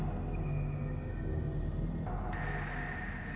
tidak ada yang membabaskan ketenteraan diri anda